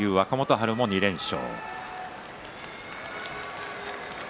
春も２連勝。